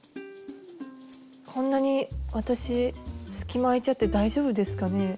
こんなに私隙間空いちゃって大丈夫ですかね？